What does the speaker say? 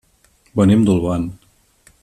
Venim d'Olvan.